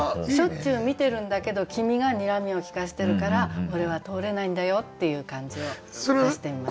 しょっちゅう見てるんだけど君が睨みをきかしてるから俺は通れないんだよっていう感じを出してみました。